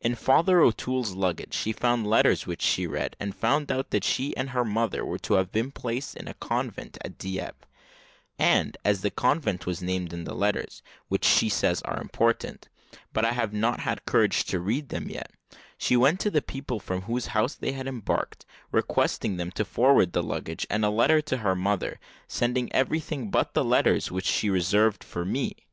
In Father O'Toole's luggage she found letters, which she read, and found out that she and her mother were to have been placed in a convent at Dieppe; and, as the convent was named in the letters which she says are important, but I have not had courage to read them yet she went to the people from whose house they had embarked, requesting them to forward the luggage and a letter to her mother sending everything but the letters, which she reserved for me.